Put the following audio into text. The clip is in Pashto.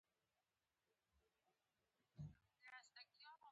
بالاخره دی په ولسي نظم ویونکیو کې د یوه ځانګړي سبک څښتن شو.